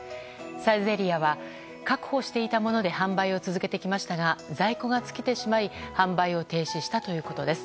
サイゼリヤは確保していたもので販売を続けてきましたが在庫が尽きてしまい販売を停止したということです。